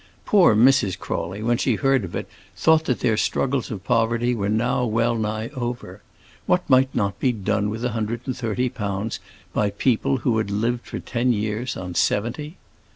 Poor Mrs. Crawley, when she heard of it, thought that their struggles of poverty were now well nigh over. What might not be done with a hundred and thirty pounds by people who had lived for ten years on seventy?